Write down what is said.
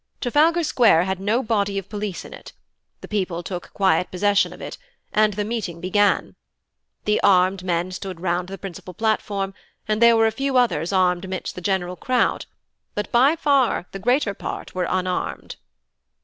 Trafalgar Square had no body of police in it; the people took quiet possession of it, and the meeting began. The armed men stood round the principal platform, and there were a few others armed amidst the general crowd; but by far the greater part were unarmed.